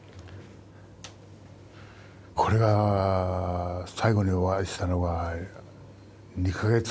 これが最後にお会いしたのが２か月ぐらい前かな。